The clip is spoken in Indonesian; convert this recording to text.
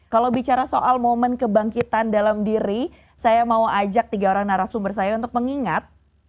kalau bicara soal momen kebangkitan dalam diri saya mau ajak tiga orang narasumber saya untuk mengingat